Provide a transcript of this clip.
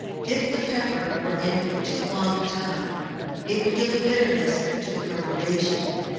If the pepper were in for too long a time it would give a bitterness to the preparation.